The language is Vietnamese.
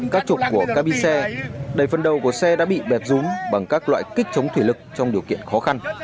các trục của ca bi xe đầy phần đầu của xe đã bị bẹp rúm bằng các loại kích chống thủy lực trong điều kiện khó khăn